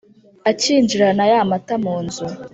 akinjirana yá matá mu nzu